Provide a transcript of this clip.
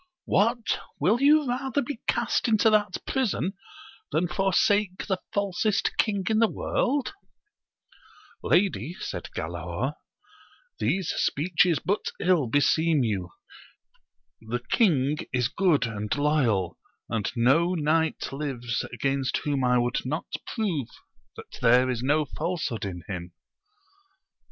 — What ! will you rather be cast into that prison than forsake the falsest king in the world 1 Lady, said Galaor, these speeches but ill beseem you : the king is good and loyal, and no knight lives against whom I would not prove that there is no falsehood in him.